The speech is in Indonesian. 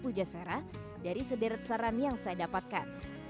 pujaserah dari sederet saran yang saya dapatkan